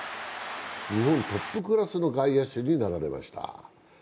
日本トップクラスの外野手になられました。